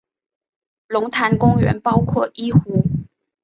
龙潭公园包括一湖。